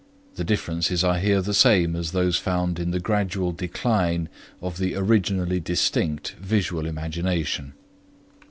The differences are here the same as those found in the gradual decline of the originally distinct visual imagination.